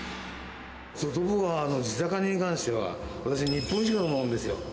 外房は、地魚に関しては、私、日本一だと思うんですよ。